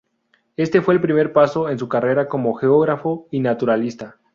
Este fue el primer paso en su carrera como geógrafo y naturalista.